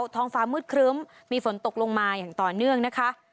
ท้องฟ้ามืดครึ้มมีฝนตกลงมาอย่างต่อเนื่องนะคะ